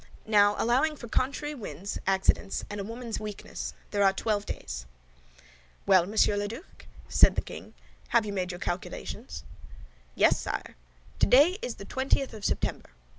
Now, allowing for contrary winds, accidents, and a woman's weakness, there are twelve days." "Well, Monsieur Duke," said the king, "have you made your calculations?" "Yes, sire. Today is the twentieth of September.